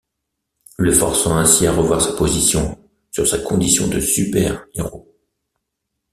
Le forçant ainsi à revoir sa position sur sa condition de super-héros.